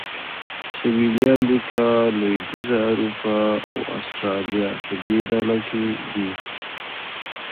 سویلي امریکا، لوېدیځه اروپا او اسټرالیا په دې ډله کې دي.